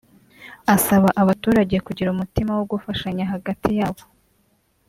asaba abaturage kugira umutima wo gufashanya hagati yabo